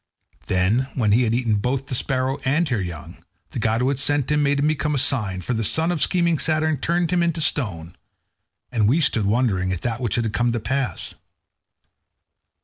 Then, when he had eaten both the sparrow and her young, the god who had sent him made him become a sign; for the son of scheming Saturn turned him into stone, and we stood there wondering at that which had come to pass.